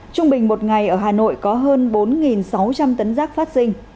trung bình một ngày ở hà nội có hơn bốn sáu trăm linh tấn rác phát sinh